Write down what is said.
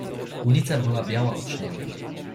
"Ulica była biała od śniegu."